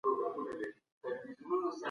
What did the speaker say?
انسانان بېلابېل فکري میلانونه او تړاوونه لري.